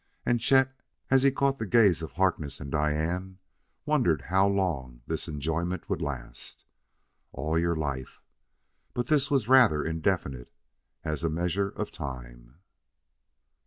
And Chet, as he caught the gaze of Harkness and Diane, wondered how long this enjoyment would last. "All your life!" But this was rather indefinite as a measure of time.